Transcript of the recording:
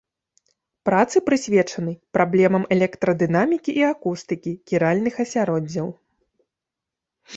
Працы прысвечаны праблемам электрадынамікі і акустыкі кіральных асяроддзяў.